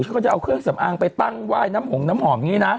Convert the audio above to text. ชาวนี้ก็จะเอาเครื่องสำอางไปตั้งว่ายน้ำหงงน้ำหอมนี้นะ